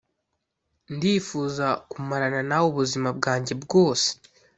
ndifuza kumarana nawe ubuzima bwanjye bwose